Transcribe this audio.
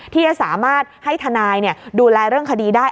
ที่จะสามารถให้ทนายดูแลเรื่องคดีได้